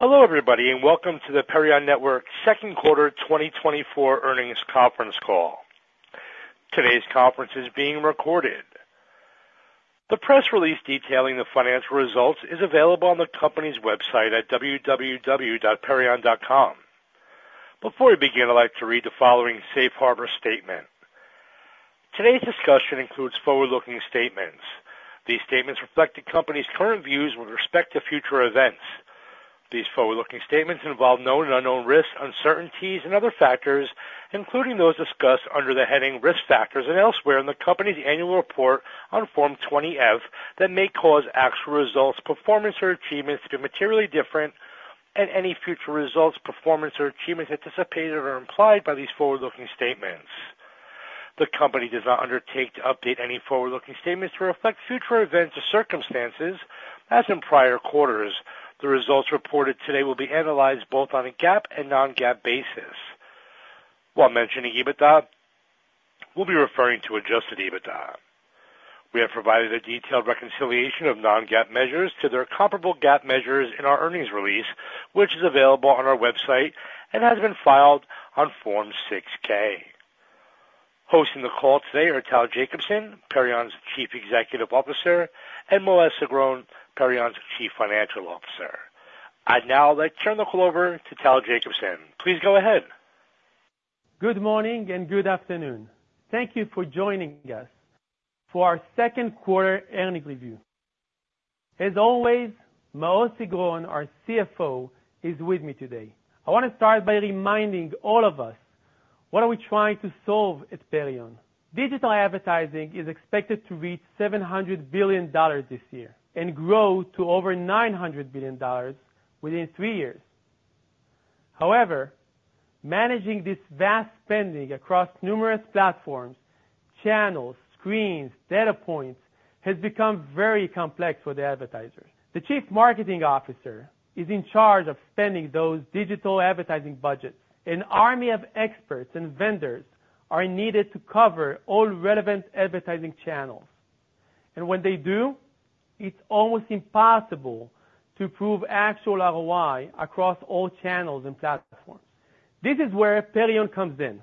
Hello, everybody, and welcome to the Perion Network Second Quarter 2024 Earnings Conference Call. Today's conference is being recorded. The press release detailing the financial results is available on the company's website at www.perion.com. Before we begin, I'd like to read the following safe harbor statement. Today's discussion includes forward-looking statements. These statements reflect the company's current views with respect to future events. These forward-looking statements involve known and unknown risks, uncertainties and other factors, including those discussed under the heading risk factors and elsewhere in the company's annual report on Form 20-F that may cause actual results, performance or achievements to be materially different, and any future results, performance or achievements anticipated or implied by these forward-looking statements. The company does not undertake to update any forward-looking statements to reflect future events or circumstances. As in prior quarters, the results reported today will be analyzed both on a GAAP and non-GAAP basis. While mentioning EBITDA, we'll be referring to adjusted EBITDA. We have provided a detailed reconciliation of non-GAAP measures to their comparable GAAP measures in our earnings release, which is available on our website and has been filed on Form 6-K. Hosting the call today are Tal Jacobson, Perion's Chief Executive Officer, and Maoz Sigron, Perion's Chief Financial Officer. I'd now like to turn the call over to Tal Jacobson. Please go ahead. Good morning and good afternoon. Thank you for joining us for our Second Quarter Earnings Review. As always, Maoz Sigron, our CFO, is with me today. I want to start by reminding all of us, what are we trying to solve at Perion? Digital advertising is expected to reach $700 billion this year and grow to over $900 billion within three years. However, managing this vast spending across numerous platforms, channels, screens, data points, has become very complex for the advertisers. The chief marketing officer is in charge of spending those digital advertising budgets. An army of experts and vendors are needed to cover all relevant advertising channels, and when they do, it's almost impossible to prove actual ROI across all channels and platforms. This is where Perion comes in,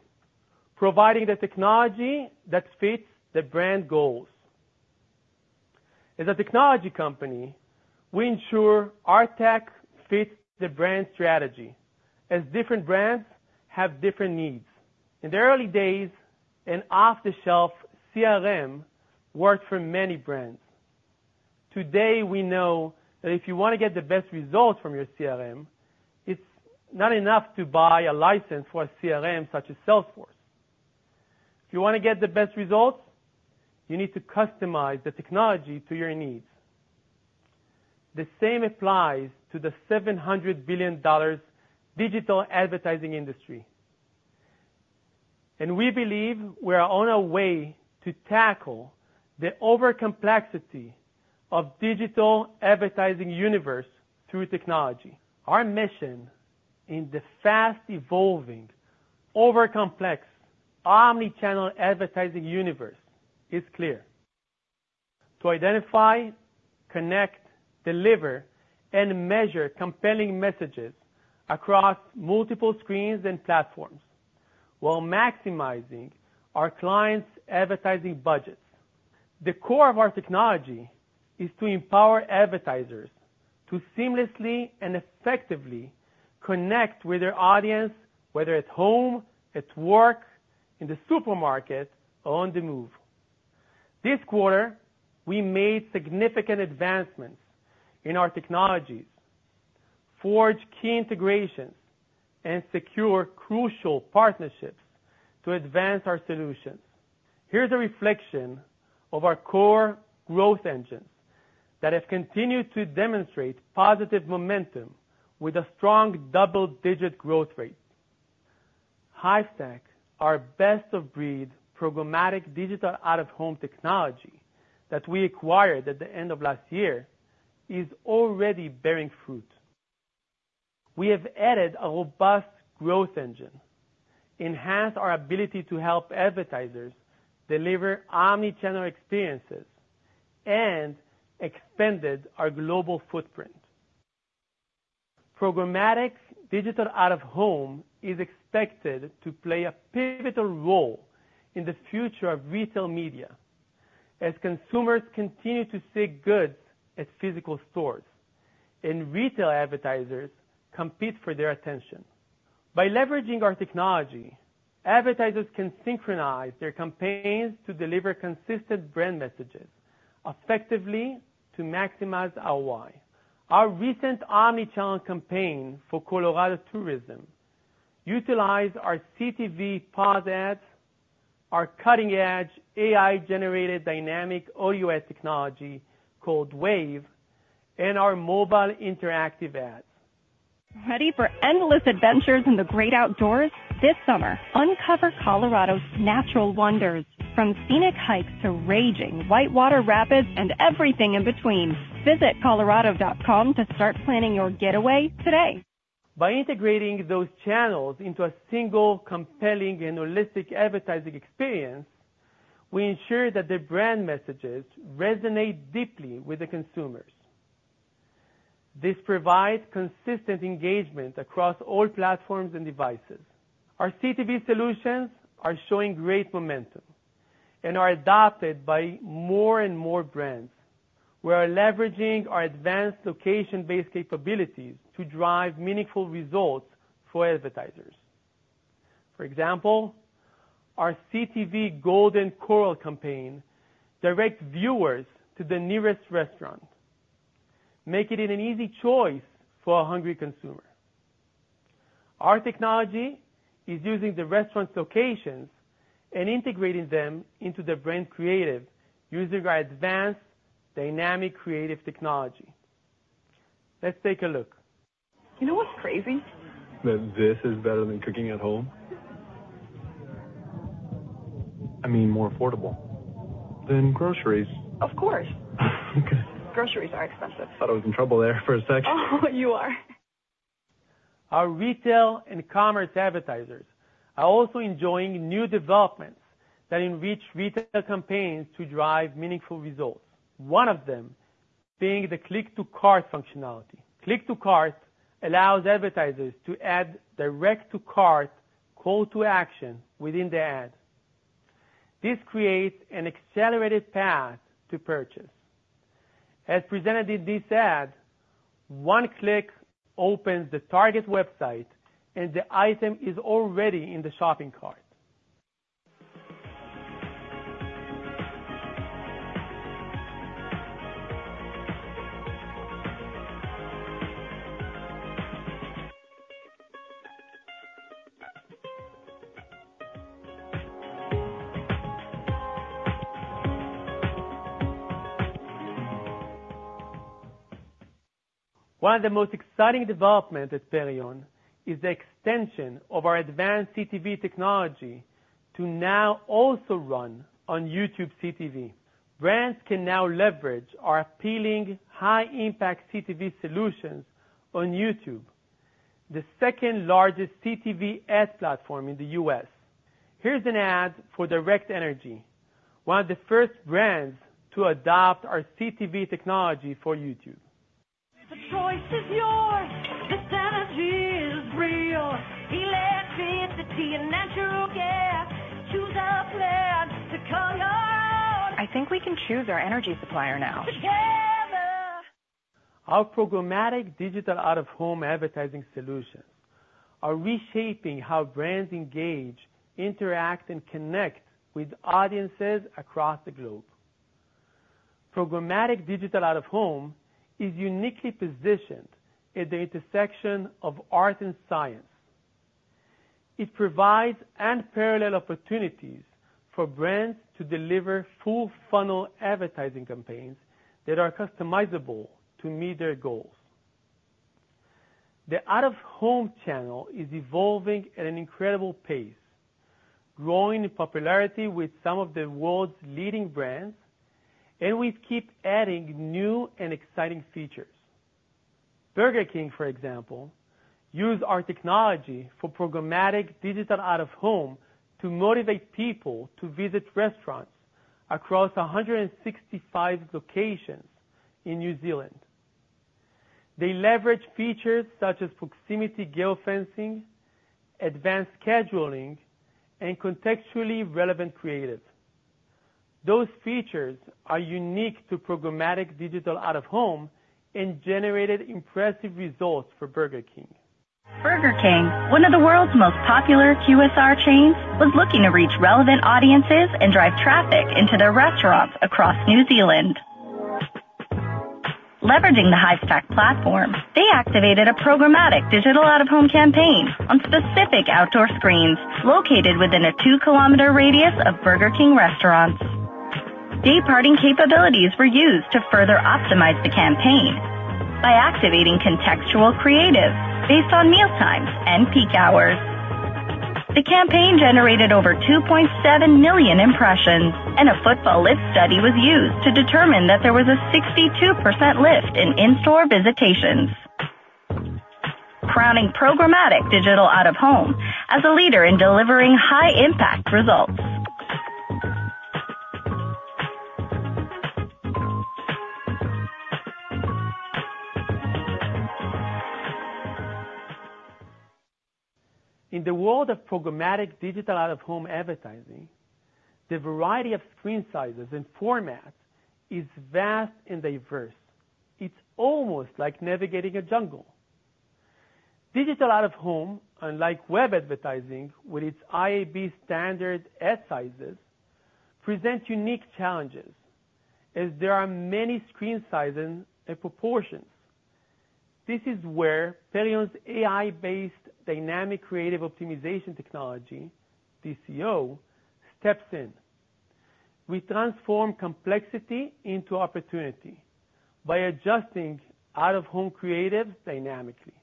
providing the technology that fits the brand goals. As a technology company, we ensure our tech fits the brand strategy, as different brands have different needs. In the early days, an off-the-shelf CRM worked for many brands. Today, we know that if you want to get the best results from your CRM, it's not enough to buy a license for a CRM such as Salesforce. If you want to get the best results, you need to customize the technology to your needs. The same applies to the $700 billion digital advertising industry, and we believe we are on our way to tackle the overcomplexity of digital advertising universe through technology. Our mission in the fast-evolving, overcomplex, omni-channel advertising universe is clear: to identify, connect, deliver, and measure compelling messages across multiple screens and platforms while maximizing our clients' advertising budgets. The core of our technology is to empower advertisers to seamlessly and effectively connect with their audience, whether at home, at work, in the supermarket or on the move. This quarter, we made significant advancements in our technologies, forged key integrations and secure crucial partnerships to advance our solutions. Here's a reflection of our core growth engines that have continued to demonstrate positive momentum with a strong double-digit growth rate. Hivestack, our best-of-breed programmatic digital out-of-home technology that we acquired at the end of last year, is already bearing fruit. We have added a robust growth engine, enhanced our ability to help advertisers deliver omni-channel experiences, and expanded our global footprint. Programmatic digital out-of-home is expected to play a pivotal role in the future of retail media as consumers continue to seek goods at physical stores and retail advertisers compete for their attention. By leveraging our technology, advertisers can synchronize their campaigns to deliver consistent brand messages effectively to maximize ROI. Our recent omni-channel campaign for Colorado Tourism utilized our CTV pause ads, our cutting-edge AI-generated dynamic audio technology called WAVE, and our mobile interactive ads. Ready for endless adventures in the great outdoors? This summer, uncover Colorado's natural wonders, from scenic hikes to raging whitewater rapids and everything in between. Visit Colorado.com to start planning your getaway today. By integrating those channels into a single, compelling, and holistic advertising experience. We ensure that the brand messages resonate deeply with the consumers. This provides consistent engagement across all platforms and devices. Our CTV solutions are showing great momentum and are adopted by more and more brands. We are leveraging our advanced location-based capabilities to drive meaningful results for advertisers. For example, our CTV Golden Corral campaign directs viewers to the nearest restaurant, making it an easy choice for a hungry consumer. Our technology is using the restaurant's locations and integrating them into the brand creative, using our advanced dynamic creative technology. Let's take a look. You know what's crazy? That this is better than cooking at home? I mean, more affordable than groceries. Of course. Okay. Groceries are expensive. Thought I was in trouble there for a second. Oh, you are. Our retail and commerce advertisers are also enjoying new developments that enrich retail campaigns to drive meaningful results. One of them being the Click to Cart functionality. Click to Cart allows advertisers to add direct-to-cart call-to-action within the ad. This creates an accelerated path to purchase. As presented in this ad, one click opens the target website, and the item is already in the shopping cart. One of the most exciting development at Perion is the extension of our advanced CTV technology to now also run on YouTube CTV. Brands can now leverage our appealing high-impact CTV solutions on YouTube, the second-largest CTV ad platform in the U.S. Here's an ad for Direct Energy, one of the first brands to adopt our CTV technology for YouTube. The choice is yours. This energy is real. Electricity and natural gas. Choose a plan to call your own. I think we can choose our energy supplier now. Together. Our programmatic digital out-of-home advertising solutions are reshaping how brands engage, interact, and connect with audiences across the globe. Programmatic digital out-of-home is uniquely positioned at the intersection of art and science. It provides unparalleled opportunities for brands to deliver full-funnel advertising campaigns that are customizable to meet their goals. The out-of-home channel is evolving at an incredible pace, growing in popularity with some of the world's leading brands, and we keep adding new and exciting features. Burger King, for example, used our technology for programmatic digital out-of-home to motivate people to visit restaurants across 165 locations in New Zealand. They leveraged features such as proximity geo-fencing, advanced scheduling, and contextually relevant creatives. Those features are unique to programmatic digital out-of-home and generated impressive results for Burger King. Burger King, one of the world's most popular QSR chains, was looking to reach relevant audiences and drive traffic into their restaurants across New Zealand. Leveraging the Hivestack platform, they activated a programmatic digital out-of-home campaign on specific outdoor screens located within a two-kilometer radius of Burger King restaurants. Dayparting capabilities were used to further optimize the campaign by activating contextual creative based on meal times and peak hours. The campaign generated over 2.7 million impressions, and a footfall lift study was used to determine that there was a 62% lift in in-store visitations, crowning programmatic digital out-of-home as a leader in delivering high-impact results. In the world of programmatic digital out-of-home advertising, the variety of screen sizes and formats is vast and diverse. It's almost like navigating a jungle. Digital out-of-home, unlike web advertising, with its IAB standard ad sizes, presents unique challenges, as there are many screen sizes and proportions. This is where Perion's AI-based dynamic creative optimization technology, DCO, steps in. We transform complexity into opportunity by adjusting out-of-home creative dynamically.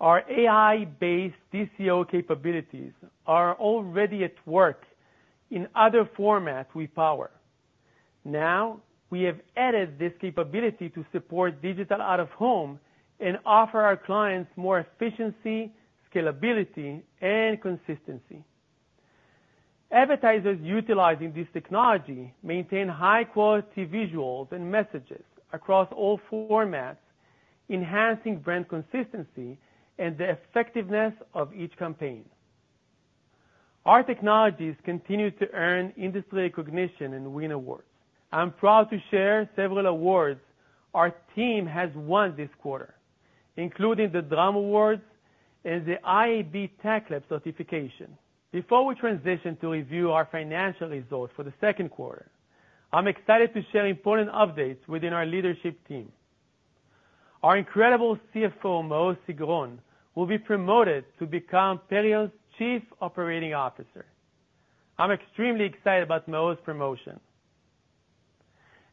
Our AI-based DCO capabilities are already at work in other formats we power... Now, we have added this capability to support digital out-of-home and offer our clients more efficiency, scalability, and consistency. Advertisers utilizing this technology maintain high-quality visuals and messages across all formats, enhancing brand consistency and the effectiveness of each campaign. Our technologies continue to earn industry recognition and win awards. I'm proud to share several awards our team has won this quarter, including the Drum Awards and the IAB Tech Lab certification. Before we transition to review our financial results for the second quarter, I'm excited to share important updates within our leadership team. Our incredible CFO, Maoz Sigron, will be promoted to become Perion's Chief Operating Officer. I'm extremely excited about Maoz's promotion.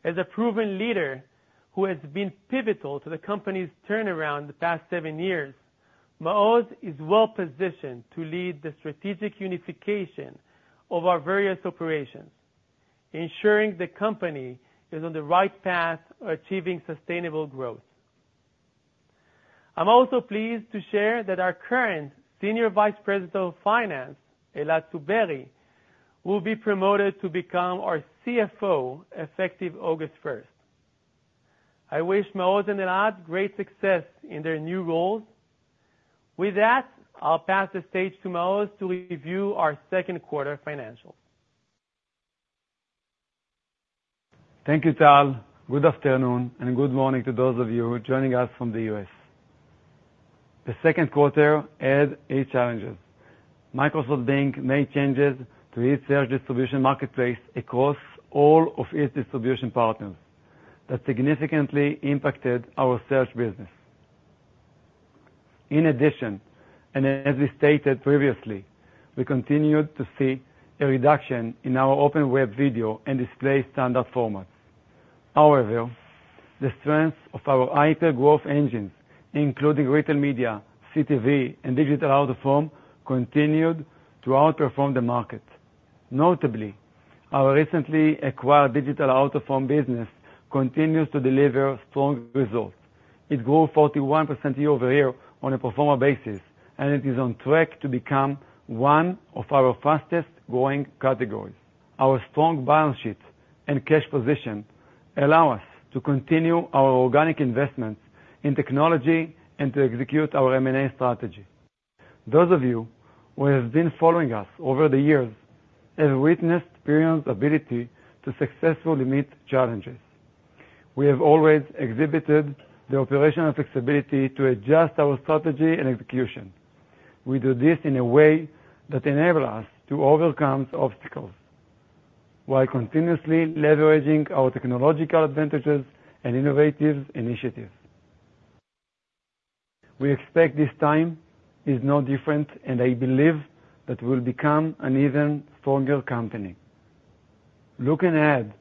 As a proven leader who has been pivotal to the company's turnaround the past seven years, Maoz is well-positioned to lead the strategic unification of our various operations, ensuring the company is on the right path to achieving sustainable growth. I'm also pleased to share that our current Senior Vice President of Finance, Elad Tzubery, will be promoted to become our CFO, effective August first. I wish Maoz and Elad great success in their new roles. With that, I'll pass the stage to Maoz to review our second quarter financials. Thank you, Tal. Good afternoon, and good morning to those of you who are joining us from the U.S. The second quarter had its challenges. Microsoft Bing made changes to its search distribution marketplace across all of its distribution partners that significantly impacted our search business. In addition, and as we stated previously, we continued to see a reduction in our open web video and display standard formats. However, the strength of our high-tech growth engines, including retail media, CTV, and digital out-of-home, continued to outperform the market. Notably, our recently acquired digital out-of-home business continues to deliver strong results. It grew 41% year-over-year on a pro forma basis, and it is on track to become one of our fastest-growing categories. Our strong balance sheet and cash position allow us to continue our organic investments in technology and to execute our M&A strategy. Those of you who have been following us over the years have witnessed Perion's ability to successfully meet challenges. We have always exhibited the operational flexibility to adjust our strategy and execution. We do this in a way that enable us to overcome obstacles, while continuously leveraging our technological advantages and innovative initiatives. We expect this time is no different, and I believe that we'll become an even stronger company. Looking ahead,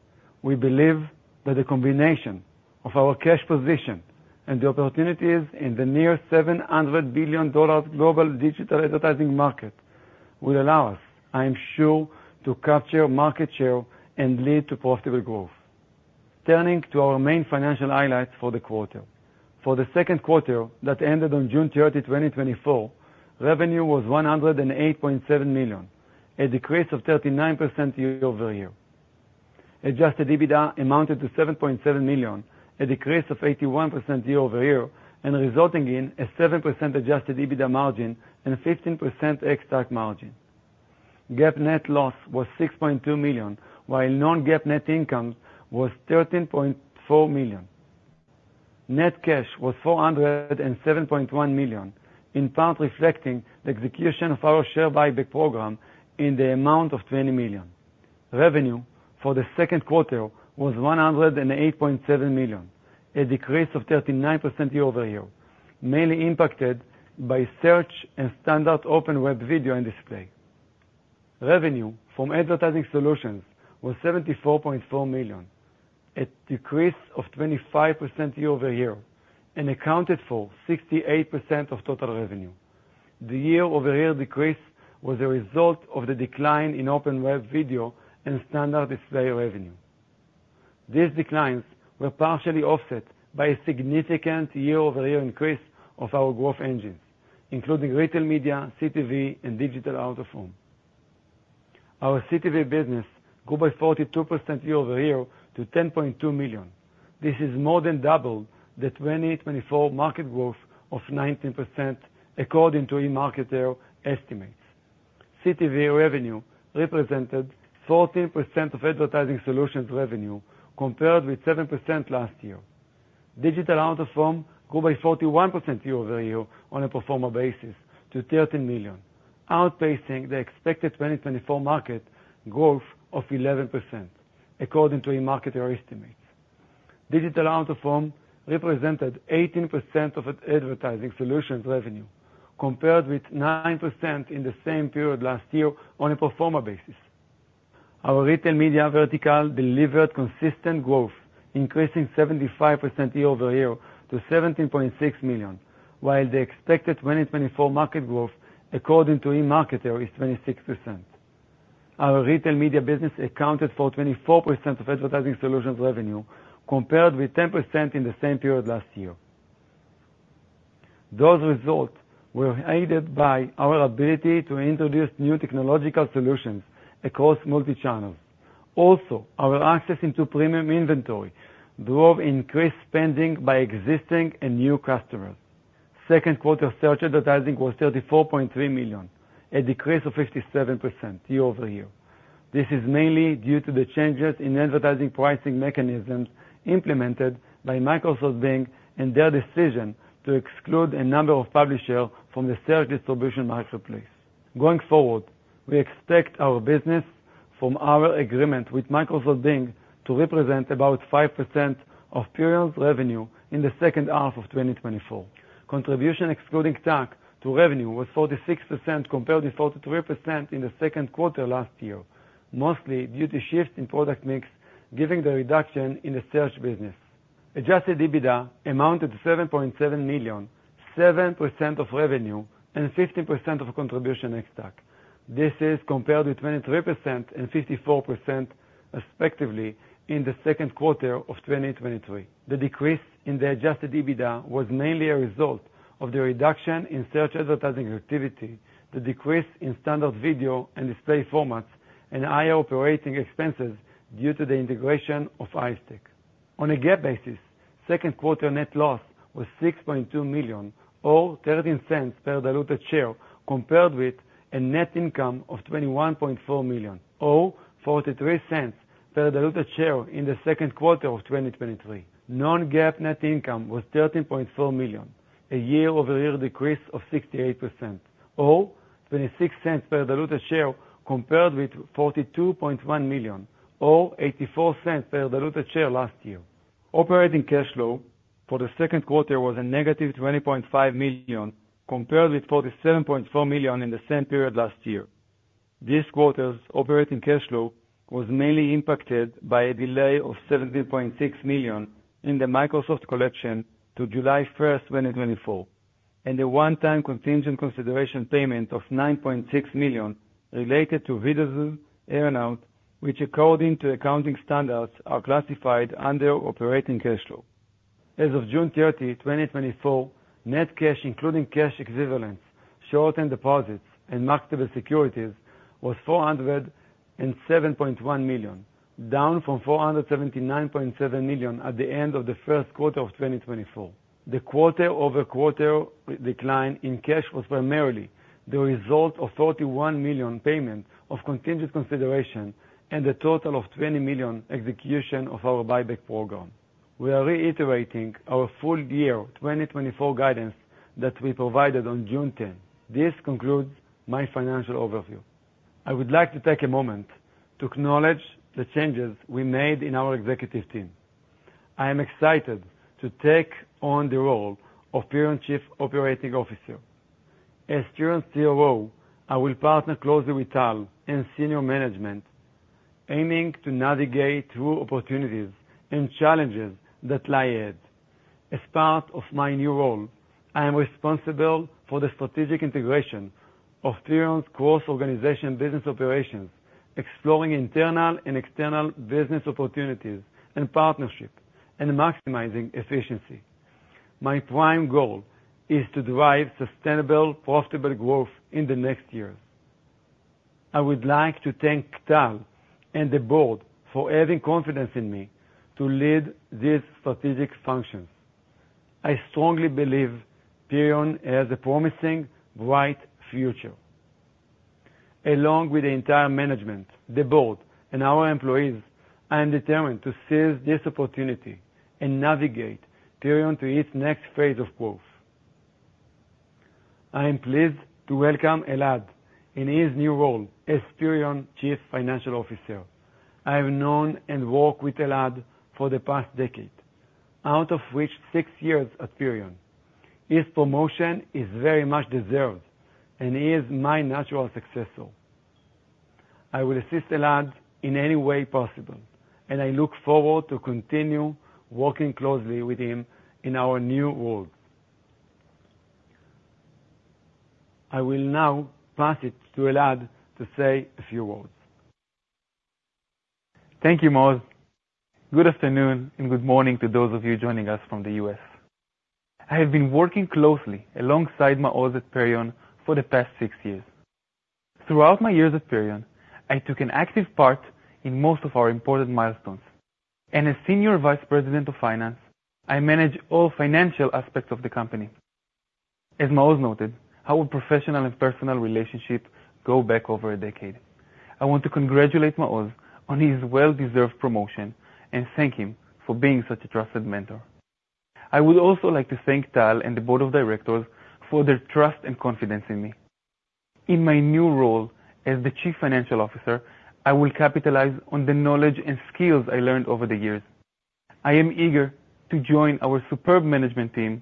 we believe that the combination of our cash position and the opportunities in the near $700 billion global digital advertising market will allow us, I am sure, to capture market share and lead to profitable growth. Turning to our main financial highlights for the quarter. For the second quarter that ended on June 30, 2024, revenue was $108.7 million, a decrease of 39% year-over-year. Adjusted EBITDA amounted to $7.7 million, a decrease of 81% year-over-year, and resulting in a 7% adjusted EBITDA margin and a 15% ex-tax margin. GAAP net loss was $6.2 million, while non-GAAP net income was $13.4 million. Net cash was $407.1 million, in part reflecting the execution of our share buyback program in the amount of $20 million. Revenue for the second quarter was $108.7 million, a decrease of 39% year-over-year, mainly impacted by search and standard open web video and display. Revenue from advertising solutions was $74.4 million, a decrease of 25% year-over-year, and accounted for 68% of total revenue. The year-over-year decrease was a result of the decline in open web video and standard display revenue. These declines were partially offset by a significant year-over-year increase of our growth engines, including retail media, CTV, and digital out-of-home. Our CTV business grew by 42% year-over-year to $10.2 million. This is more than double the 2024 market growth of 19%, according to eMarketer estimates. CTV revenue represented 14% of advertising solutions revenue, compared with 7% last year. Digital out-of-home grew by 41% year-over-year on a pro forma basis to $13 million, outpacing the expected 2024 market growth of 11%, according to eMarketer estimates. Digital out-of-home represented 18% of its advertising solutions revenue, compared with 9% in the same period last year on a pro forma basis. Our retail media vertical delivered consistent growth, increasing 75% year-over-year to $17.6 million, while the expected 2024 market growth, according to eMarketer, is 26%. Our retail media business accounted for 24% of advertising solutions revenue, compared with 10% in the same period last year. Those results were aided by our ability to introduce new technological solutions across multi-channels. Also, our access into premium inventory drove increased spending by existing and new customers. Second quarter search advertising was $34.3 million, a decrease of 57% year-over-year. This is mainly due to the changes in advertising pricing mechanisms implemented by Microsoft Bing, and their decision to exclude a number of publishers from the search distribution marketplace. Going forward, we expect our business from our agreement with Microsoft Bing to represent about 5% of Perion's revenue in the second half of 2024. Contribution excluding TAC to revenue was 46%, compared to 43% in the second quarter last year, mostly due to shifts in product mix, giving the reduction in the search business. Adjusted EBITDA amounted to $7.7 million, 7% of revenue, and 15% of contribution ex-TAC. This is compared with 23% and 54%, respectively, in the second quarter of 2023. The decrease in the adjusted EBITDA was mainly a result of the reduction in search advertising activity, the decrease in standard video and display formats, and higher operating expenses due to the integration of Hivestack. On a GAAP basis, second quarter net loss was $6.2 million, or $0.13 per diluted share, compared with a net income of $21.4 million, or $0.43 per diluted share in the second quarter of 2023. Non-GAAP net income was $13.4 million, a year-over-year decrease of 68%, or $0.26 per diluted share, compared with $42.1 million, or $0.84 per diluted share last year. Operating cash flow for the second quarter was -$20.5 million, compared with $47.4 million in the same period last year. This quarter's operating cash flow was mainly impacted by a delay of $17.6 million in the Microsoft collection to July 1, 2024, and a one-time contingent consideration payment of $9.6 million related to Vidazoo earn-out, which according to accounting standards, are classified under operating cash flow. As of June 30, 2024, net cash, including cash equivalents, short-term deposits, and marketable securities, was $407.1 million, down from $479.7 million at the end of the first quarter of 2024. The quarter-over-quarter decline in cash was primarily the result of $31 million payment of contingent consideration and a total of $20 million execution of our buyback program. We are reiterating our full year 2024 guidance that we provided on June 10. This concludes my financial overview. I would like to take a moment to acknowledge the changes we made in our executive team. I am excited to take on the role of Perion Chief Operating Officer. As Perion COO, I will partner closely with Tal and senior management, aiming to navigate through opportunities and challenges that lie ahead. As part of my new role, I am responsible for the strategic integration of Perion's cross-organization business operations, exploring internal and external business opportunities and partnerships, and maximizing efficiency. My prime goal is to drive sustainable, profitable growth in the next years. I would like to thank Tal and the board for having confidence in me to lead these strategic functions. I strongly believe Perion has a promising, bright future. Along with the entire management, the board, and our employees, I am determined to seize this opportunity and navigate Perion to its next phase of growth. I am pleased to welcome Elad in his new role as Perion's Chief Financial Officer. I have known and worked with Elad for the past decade, out of which, six years at Perion. His promotion is very much deserved, and he is my natural successor. I will assist Elad in any way possible, and I look forward to continue working closely with him in our new roles. I will now pass it to Elad to say a few words. Thank you, Maoz. Good afternoon, and good morning to those of you joining us from the U.S. I have been working closely alongside Maoz at Perion for the past six years. Throughout my years at Perion, I took an active part in most of our important milestones, and as Senior Vice President of Finance, I manage all financial aspects of the company. As Maoz noted, our professional and personal relationship go back over a decade. I want to congratulate Maoz on his well-deserved promotion, and thank him for being such a trusted mentor. I would also like to thank Tal and the board of directors for their trust and confidence in me. In my new role as the Chief Financial Officer, I will capitalize on the knowledge and skills I learned over the years. I am eager to join our superb management team.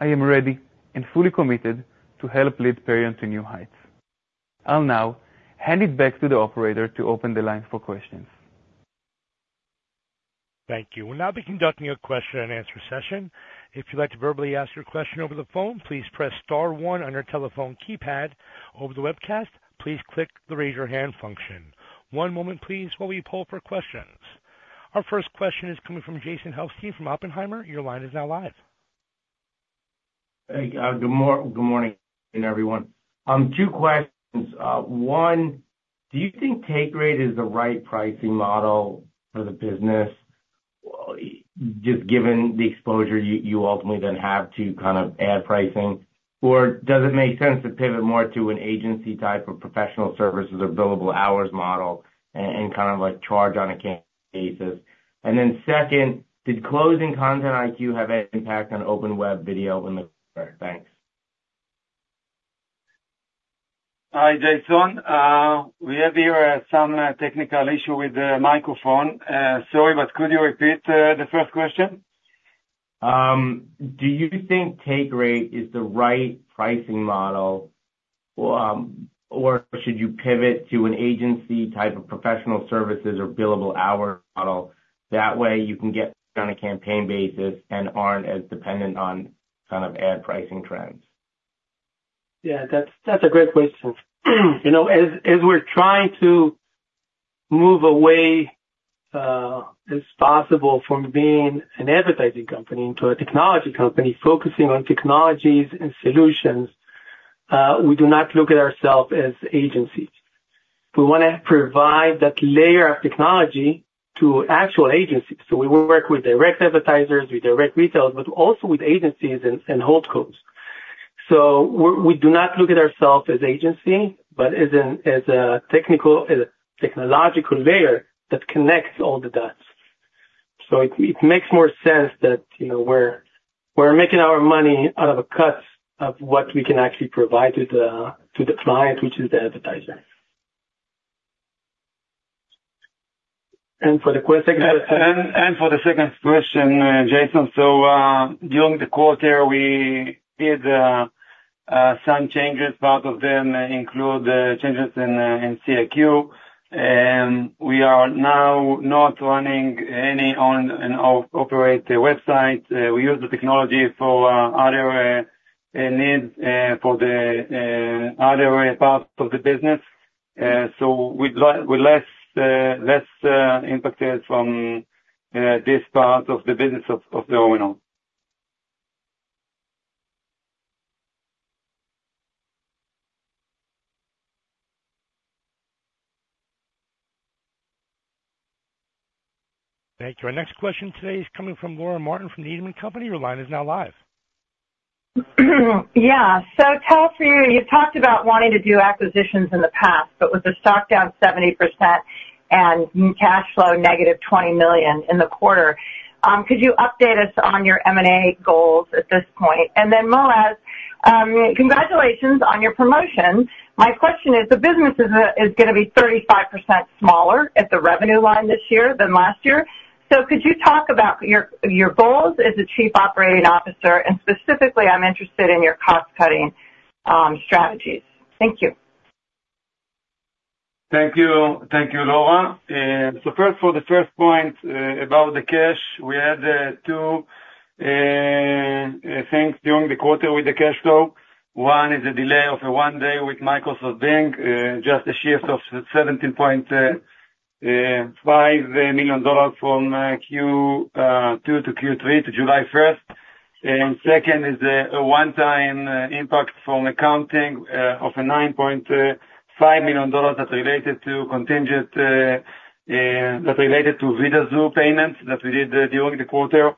I am ready and fully committed to help lead Perion to new heights. I'll now hand it back to the operator to open the line for questions. Thank you. We'll now be conducting a question and answer session. If you'd like to verbally ask your question over the phone, please press star one on your telephone keypad. Over the webcast, please click the Raise Your Hand function. One moment please, while we poll for questions. Our first question is coming from Jason Helfstein from Oppenheimer. Your line is now live. Hey, good morning, everyone. Two questions. One, do you think take rate is the right pricing model for the business, just given the exposure you ultimately then have to kind of add pricing? Or does it make sense to pivot more to an agency type of professional services or billable hours model and kind of, like, charge on a case basis? And then second, did closing Content IQ have any impact on open web video in the quarter? Thanks. Hi, Jason. We have here some technical issue with the microphone. Sorry, but could you repeat the first question? Do you think take rate is the right pricing model, or should you pivot to an agency type of professional services or billable hour model? That way, you can get on a campaign basis and aren't as dependent on kind of ad pricing trends. Yeah, that's a great question. You know, as we're trying to move away as possible from being an advertising company into a technology company, focusing on technologies and solutions, we do not look at ourselves as agencies. We wanna provide that layer of technology to actual agencies. So we work with direct advertisers, with direct retailers, but also with agencies and holdcos. So we do not look at ourselves as agency, but as a technological layer that connects all the dots. So it makes more sense that, you know, we're making our money out of a cut of what we can actually provide to the client, which is the advertiser. And for the question- For the second question, Jason, so during the quarter, we did some changes. Part of them include changes in CIQ. We are now not running any owned-and-operated websites. We use the technology for other needs for the other parts of the business. So with less impacted from this part of the business of the overall. Thank you. Our next question today is coming from Laura Martin from Needham & Company. Your line is now live. Yeah. So Tal, for you, you've talked about wanting to do acquisitions in the past, but with the stock down 70% and cash flow negative $20 million in the quarter, could you update us on your M&A goals at this point? And then, Maoz, congratulations on your promotion. My question is, the business is gonna be 35% smaller at the revenue line this year than last year. So could you talk about your goals as the Chief Operating Officer, and specifically, I'm interested in your cost-cutting strategies. Thank you. Thank you. Thank you, Laura. So first, for the first point, about the cash, we had two things during the quarter with the cash flow. One is a delay of one day with Microsoft Bing, just a shift of $17.5 million from Q2 to Q3 to July first. And second is a one-time impact from accounting of a $9.5 million that's related to contingent, that's related to Vidazoo payments that we did during the quarter.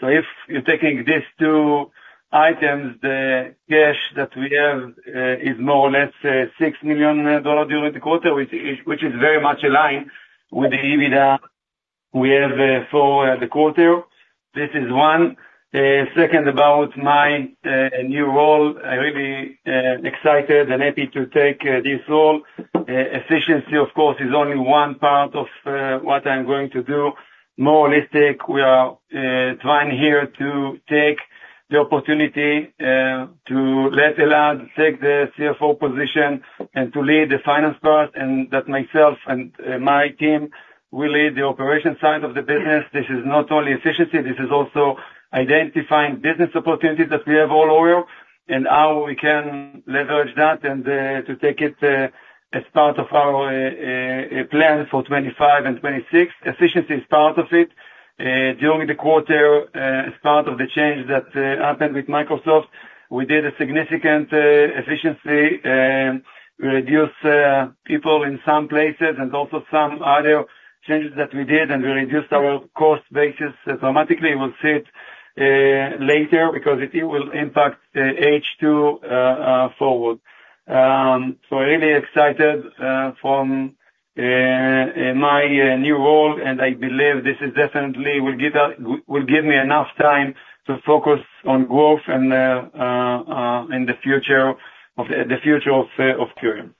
So if you're taking these two items, the cash that we have is more or less $6 million during the quarter, which is very much in line with the EBITDA we have for the quarter. This is one. Second, about my new role. I'm really excited and happy to take this role. Efficiency, of course, is only one part of what I'm going to do. More holistic, we are trying here to take the opportunity to let Elad take the CFO position and to lead the finance part, and that myself and my team will lead the operation side of the business. This is not only efficiency, this is also identifying business opportunities that we have all over, and how we can leverage that, and to take it as part of our plan for 2025 and 2026. Efficiency is part of it. During the quarter, as part of the change that happened with Microsoft, we did a significant efficiency, we reduced people in some places and also some other changes that we did, and we reduced our cost basis dramatically. We'll see it later, because it will impact the H2 forward. So really excited from my new role, and I believe this is definitely will give us will give me enough time to focus on growth and in the future of, the future of, of Perion.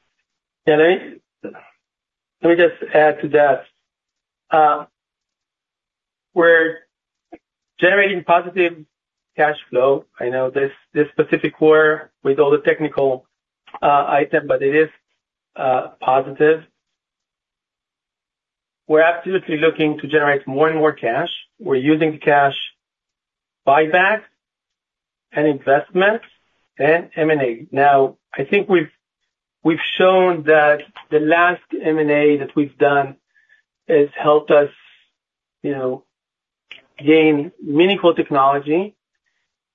Can I? Let me just add to that. We're generating positive cash flow. I know this, this specific quarter with all the technical item, but it is positive. We're absolutely looking to generate more and more cash. We're using the cash buyback and investments and M&A. Now, I think we've shown that the last M&A that we've done has helped us, you know, gain meaningful technology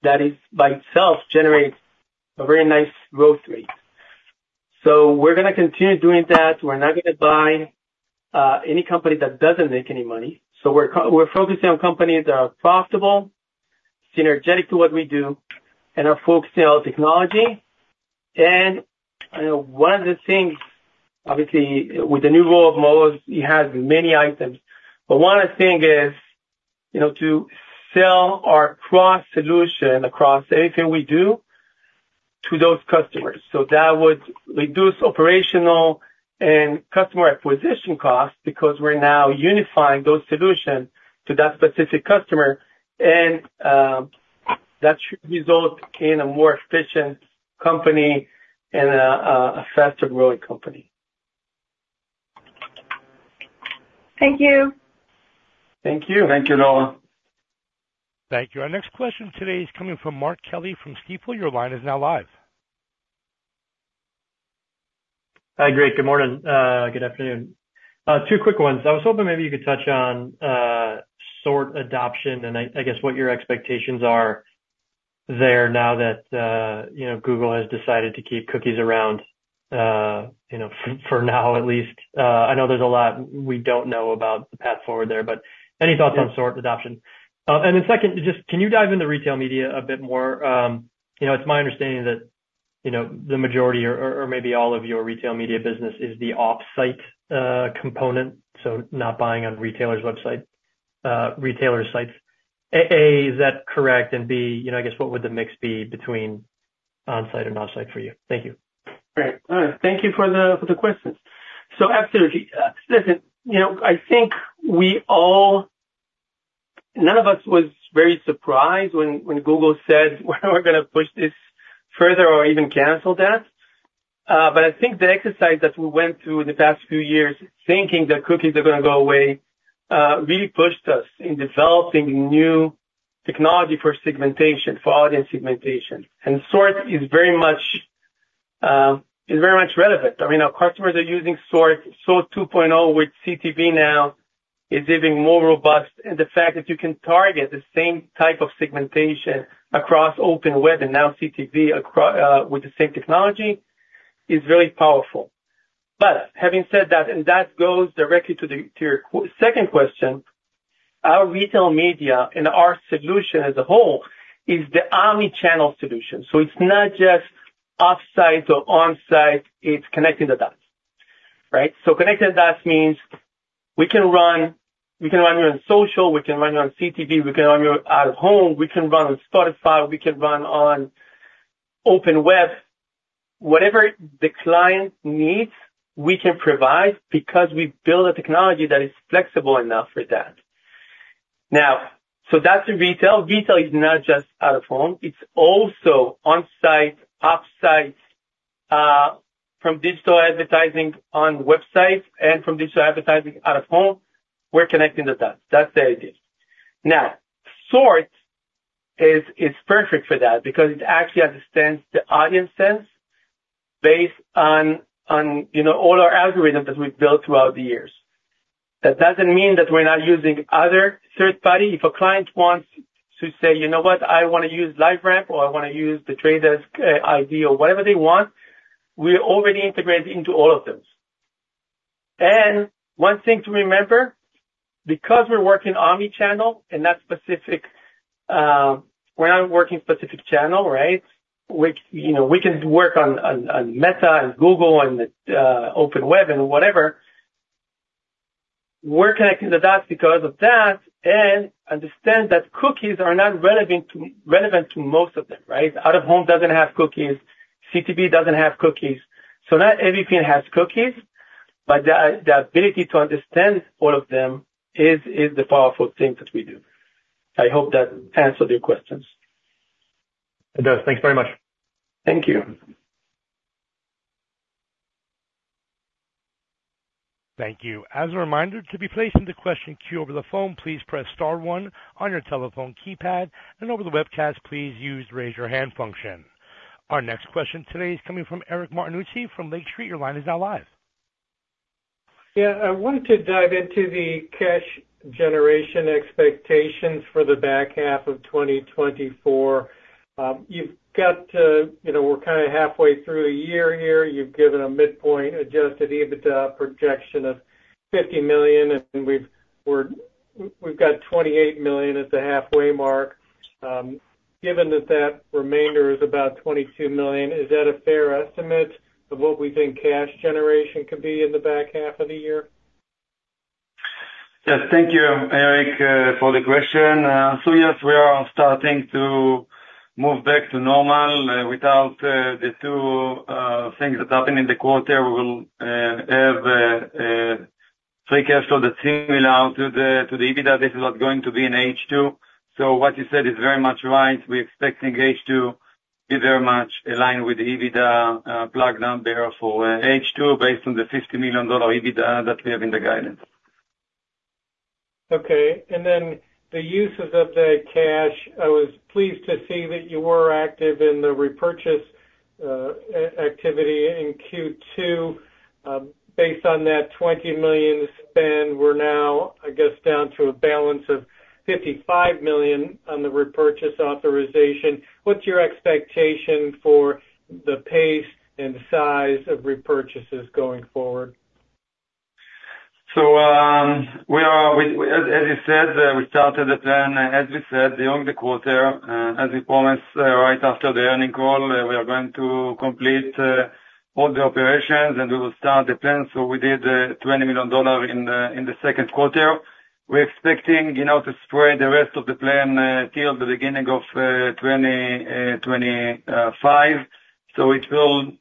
that is by itself generates a very nice growth rate. So we're gonna continue doing that. We're not gonna buy any company that doesn't make any money. So we're focusing on companies that are profitable, synergetic to what we do, and are focused on technology. And, you know, one of the things, obviously, with the new role of Mo, he has many items, but one of the thing is, you know, to sell our cross solution across anything we do to those customers. So that would reduce operational and customer acquisition costs, because we're now unifying those solutions to that specific customer, and that should result in a more efficient company and a faster growing company. Thank you. Thank you. Thank you, Laura. Thank you. Our next question today is coming from Mark Kelley from Stifel. Your line is now live. Hi, great, good morning, good afternoon. Two quick ones. I was hoping maybe you could touch on, SORT adoption and I, I guess, what your expectations are there now that, you know, Google has decided to keep cookies around, you know, for, for now, at least. I know there's a lot we don't know about the path forward there, but any thoughts on SORT adoption? And then second, just can you dive into Retail Media a bit more? You know, it's my understanding that, you know, the majority or, or maybe all of your Retail Media business is the off-site, component, so not buying on retailer's website, retailer sites. A, is that correct? And B, you know, I guess, what would the mix be between on-site and off-site for you? Thank you. Great. Thank you for the, for the questions. So absolutely. Listen, you know, I think we all, none of us was very surprised when Google said, "We're gonna push this further or even cancel that." But I think the exercise that we went through in the past few years, thinking that cookies are gonna go away, really pushed us in developing new technology for segmentation, for audience segmentation. And SORT is very much relevant. I mean, our customers are using SORT. SORT 2.0 with CTV now is even more robust, and the fact that you can target the same type of segmentation across open web and now CTV with the same technology, is very powerful. But having said that, and that goes directly to your second question, our retail media and our solution as a whole is the omni-channel solution. So it's not just offsite or on-site, it's connecting the dots, right? So connecting the dots means we can run, we can run you on social, we can run you on CTV, we can run you out of home, we can run on Spotify, we can run on open web. Whatever the client needs, we can provide because we build a technology that is flexible enough for that. Now, so that's in retail. Retail is not just out-of-home, it's also on-site, offsite, from digital advertising on websites and from digital advertising out-of-home, we're connecting the dots. That's the idea. Now, SORT is perfect for that because it actually understands the audience sense based on, you know, all our algorithms that we've built throughout the years. That doesn't mean that we're not using other third party. If a client wants to say, "You know what? I wanna use LiveRamp," or, "I wanna use The Trade Desk ID," or whatever they want, we already integrated into all of those. And one thing to remember, because we're working omni-channel and not specific, we're not working specific channel, right? Which, you know, we can work on Meta, on Google, on the open web and whatever. We're connecting the dots because of that, and understand that cookies are not relevant to most of them, right? Out-of-home doesn't have cookies, CTV doesn't have cookies. Not everything has cookies, but the ability to understand all of them is the powerful thing that we do. I hope that answered your questions. It does. Thanks very much. Thank you. Thank you. As a reminder, to be placed in the question queue over the phone, please press star one on your telephone keypad, and over the webcast, please use Raise Your Hand function. Our next question today is coming from Eric Martinuzzi from Lake Street Capital Markets. Your line is now live. Yeah, I wanted to dive into the cash generation expectations for the back half of 2024. You've got to, you know, we're kind of halfway through the year here. You've given a midpoint Adjusted EBITDA projection of $50 million, and we've got $28 million at the halfway mark. Given that that remainder is about $22 million, is that a fair estimate of what we think cash generation could be in the back half of the year? Yes, thank you, Eric, for the question. So yes, we are starting to move back to normal, without the two-... of things that happened in the quarter, we will have a free cash flow that's similar to the EBITDA. This is not going to be in H2. So what you said is very much right. We're expecting H2 to be very much aligned with the EBITDA plug number for H2, based on the $50 million EBITDA that we have in the guidance. Okay, and then the uses of the cash, I was pleased to see that you were active in the repurchase activity in Q2. Based on that $20 million spend, we're now, I guess, down to a balance of $55 million on the repurchase authorization. What's your expectation for the pace and size of repurchases going forward? So, as you said, we started the plan, as we said, during the quarter. As we promised, right after the earnings call, we are going to complete all the operations and we will start the plan. So we did $20 million in the second quarter. We're expecting, you know, to spread the rest of the plan till the beginning of 2025. So it will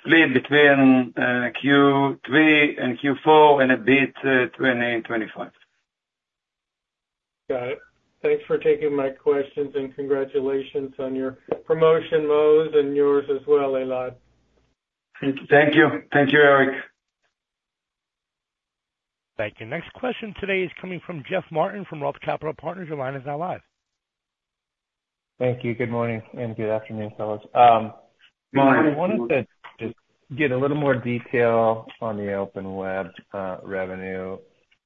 split between Q3 and Q4, and a bit 2025. Got it. Thanks for taking my questions, and congratulations on your promotion, Maoz, and yours as well, Elad. Thank you. Thank you, Eric. Thank you. Next question today is coming from Jeff Martin, from Roth Capital Partners. Your line is now live. Thank you. Good morning, and good afternoon, fellas. I wanted to just get a little more detail on the open web revenue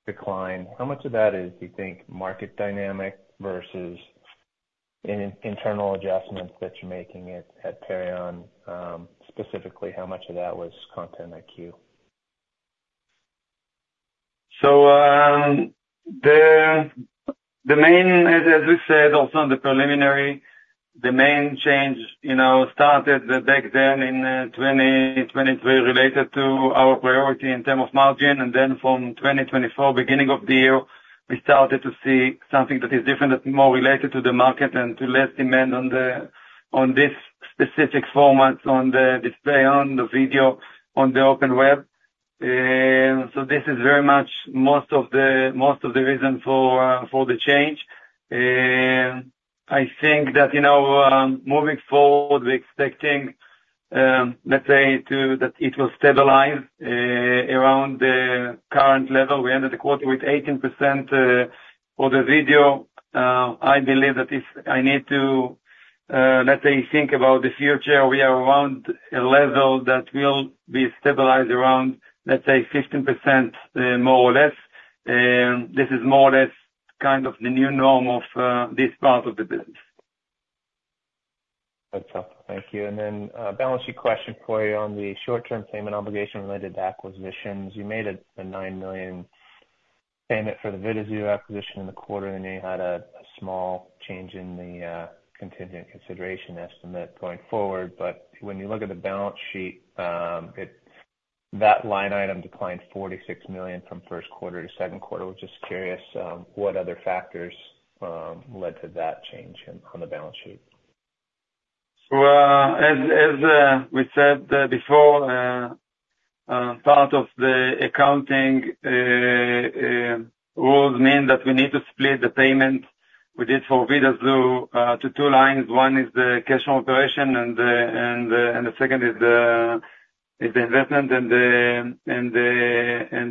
decline. How much of that is, do you think, market dynamic versus internal adjustments that you're making at, at Perion? Specifically, how much of that was Content IQ? So, the main change, as we said, also on the preliminary, started back then in 2023, related to our priority in terms of margin. And then from 2024, beginning of the year, we started to see something that is different, that's more related to the market and to less demand on this specific format, on the display, on the video, on the open web. So this is very much most of the reason for the change. I think that, you know, moving forward, we're expecting, let's say, that it will stabilize around the current level. We ended the quarter with 18% for the video. I believe that if I need to, let's say, think about the future, we are around a level that will be stabilized around, let's say, 15%, more or less. This is more or less kind of the new norm of this part of the business. That's helpful. Thank you. And then, balance sheet question for you. On the short-term payment obligation related to acquisitions, you made a $9 million payment for the Vidazoo acquisition in the quarter, and you had a small change in the contingent consideration estimate going forward. But when you look at the balance sheet, it-- that line item declined $46 million from first quarter to second quarter. I was just curious, what other factors led to that change on the balance sheet? Well, as we said before, part of the accounting rules mean that we need to split the payment we did for Vidazoo to two lines. One is the cash operation, and the second is the investment. And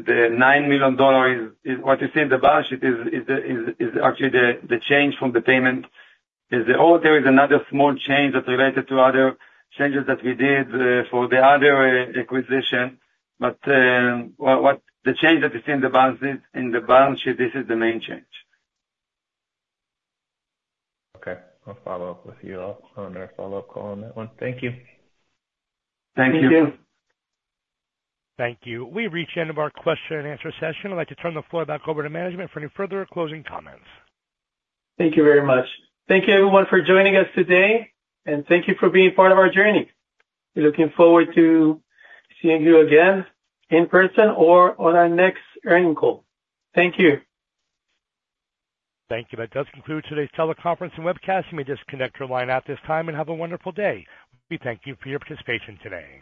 the $9 million is what you see in the balance sheet. It is actually the change from the payment. Oh, there is another small change that related to other changes that we did for the other acquisition. But the change that you see in the balance sheet, this is the main change. Okay, I'll follow up with you on a follow-up call on that one. Thank you. Thank you. Thank you. We've reached the end of our question and answer session. I'd like to turn the floor back over to management for any further closing comments. Thank you very much. Thank you everyone for joining us today, and thank you for being part of our journey. We're looking forward to seeing you again in person or on our next earnings call. Thank you. Thank you. That does conclude today's teleconference and webcast. You may disconnect your line at this time and have a wonderful day. We thank you for your participation today.